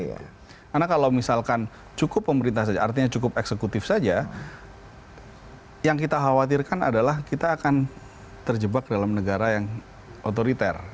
karena kalau misalkan cukup pemerintah saja artinya cukup eksekutif saja yang kita khawatirkan adalah kita akan terjebak dalam negara yang otoriter